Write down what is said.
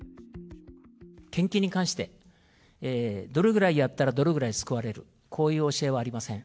献金に関して、どれぐらいやったらどれぐらい救われる、こういう教えはありません。